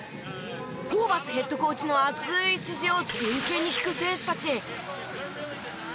ホーバスヘッドコーチの熱い指示を真剣に聞く選手たち。